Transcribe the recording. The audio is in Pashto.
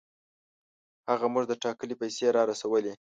هغه موږ ته ټاکلې پیسې را رسولې.